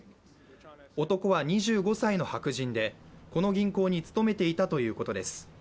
男は２５歳の白人でこの銀行に勤めていたということです。